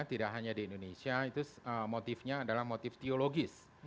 tidak hanya di indonesia itu motifnya adalah motif teologis